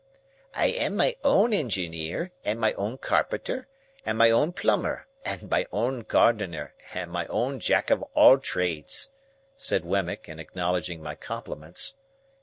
"I am my own engineer, and my own carpenter, and my own plumber, and my own gardener, and my own Jack of all Trades," said Wemmick, in acknowledging my compliments.